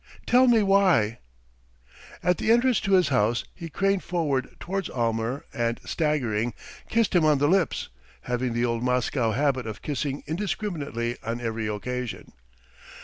Tell me why?" At the entrance to his house, he craned forward towards Almer and, staggering, kissed him on the lips, having the old Moscow habit of kissing indiscriminately on every occasion.